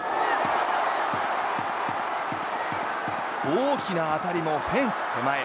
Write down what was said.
大きな当たりもフェンス手前。